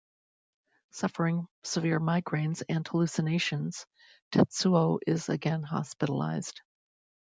Suffering severe migraines and hallucinations, Tetsuo is again hospitalized.